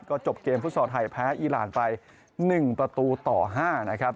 ก็จบเกมฟุตซอลไทยแพ้อีรานไป๑ประตูต่อ๕นะครับ